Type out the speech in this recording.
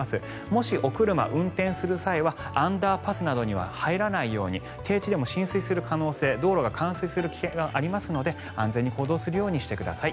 もし、お車を運転する際はアンダーパスなどには入らないように平地でも浸水する可能性道路が冠水する危険がありますので安全に行動するようにしてください。